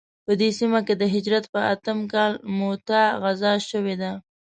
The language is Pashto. په دې سیمه کې د هجرت په اتم کال موته غزا شوې ده.